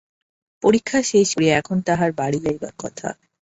পরীক্ষা শেষ করিয়া এখন তাহার বাড়ি যাইবার কথা।